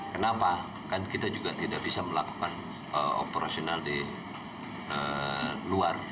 kenapa kan kita juga tidak bisa melakukan operasional di luar